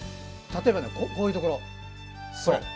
例えばね、こういうところ。